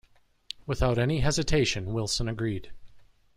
Without any hesitation Wilson agreed.